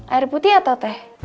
air putih atau teh